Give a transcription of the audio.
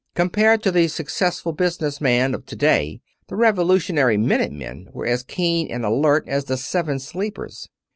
Compared to the successful business man of to day the Revolutionary Minute Men were as keen and alert as the Seven Sleepers.